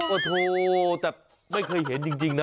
โอ้โหแต่ไม่เคยเห็นจริงนะ